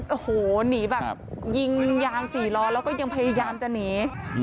โอ้โหหนีแบบยิงยาง๔ล้อแล้วก็ยังพยายามจะหนี